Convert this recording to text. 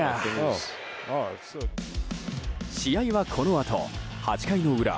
試合はこのあと８回の裏